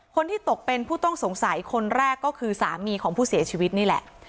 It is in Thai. คนที่ตกเป็นผู้ต้องสงสัยคนแรกก็คือสามีของผู้เสียชีวิตนี่แหละ